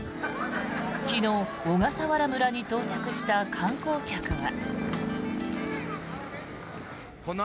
昨日、小笠原村に到着した観光客は。